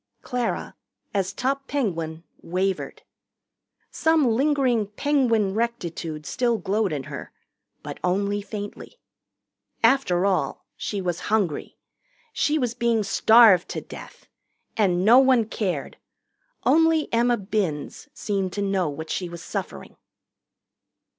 Clara, as top Penguin, wavered. Some lingering Penguin rectitude still glowed in her, but only faintly. After all, she was hungry. She was being starved to death. And no one cared. Only Emma Binns seemed to know what she was suffering.